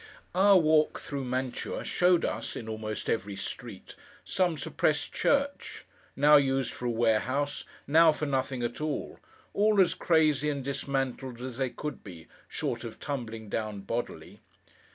Our walk through Mantua showed us, in almost every street, some suppressed church: now used for a warehouse, now for nothing at all: all as crazy and dismantled as they could be, short of tumbling down bodily.